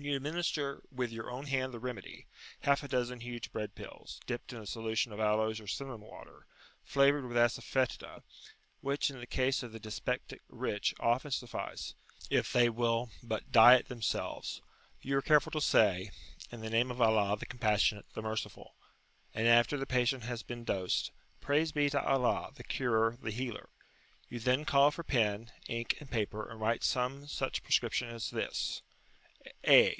When you administer with your own hand the remedy half a dozen huge bread pills, dipped in a solution of aloes or cinnamon water, flavoured with assafoetida, which in the case of the dyspeptic rich often suffice, if they will but [p.55]diet themselves you are careful to say, "In the name of Allah, the Compassionate, the Merciful." And after the patient has been dosed, "Praise be to Allah, the Curer, the Healer;" you then call for pen, ink, and paper, and write some such prescription as this: "A.